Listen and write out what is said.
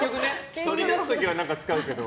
人に出す時は使うけど。